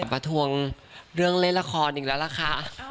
มาทวงเรื่องเล่นละครอีกแล้วล่ะค่ะ